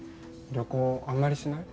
旅行あんまりしない？